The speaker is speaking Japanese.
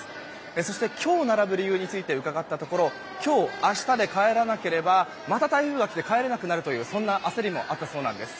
そして、今日並ぶ理由について伺ったところ今日、明日で帰らなければまた台風が来て帰れなくなるという焦りがあったそうなんです。